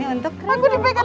ini untuk kakak tolong dipigang